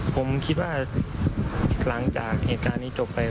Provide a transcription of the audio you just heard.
ผมคิดว่าหลังจากเหตุการณ์นี้จบไป